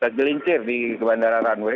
tergelincir di bandara runway